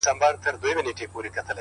ترڅو له ماڅخه ته هېره سې؛